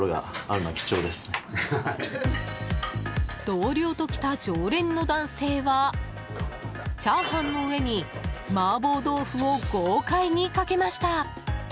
同僚と来た常連の男性はチャーハンの上に麻婆豆腐を、豪快にかけました。